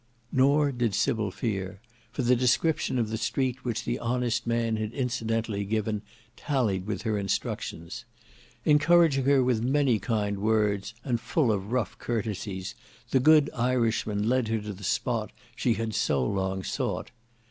Nor did Sybil fear; for the description of the street which the honest man had incidentally given, tallied with her instructions. Encouraging her with many kind words, and full of rough courtesies, the good Irishman led her to the spot she had so long sought.